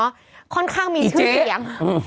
อีเจเหลียงอื้มค่อนข้างมีชื่อเสียง